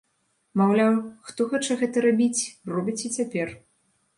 Маўляў, хто хоча гэта рабіць, робіць і цяпер.